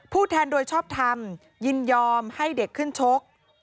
แทนโดยชอบทำยินยอมให้เด็กขึ้นชก